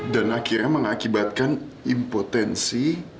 dan akhirnya mengakibatkan impotensi